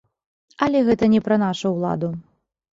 Але гэта не пра нашу ўладу.